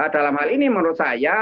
dalam hal ini menurut saya